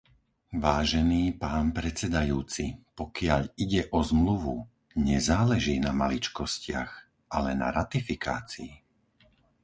Vážený pán predsedajúci, pokiaľ ide o Zmluvu, nezáleží na maličkostiach, ale na ratifikácii.